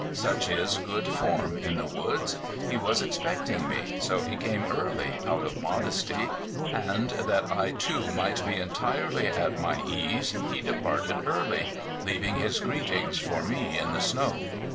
Such is good form in the woods. He was expecting me, so he came early, out of modesty, and, that I too might be entirely at my ease, he departed early, leaving his greetings for me in the snow.